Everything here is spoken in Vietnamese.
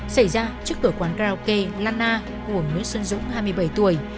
xảy ra trước cửa quán karaoke lana của nguyễn xuân dũng hai mươi bảy tuổi